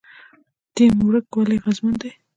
ټیم ورک ولې اغیزمن دی؟